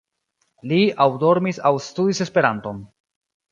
Li aŭ dormis aŭ studis Esperanton.